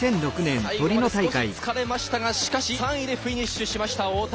最後まで少し疲れましたがしかし３位でフィニッシュしました太田。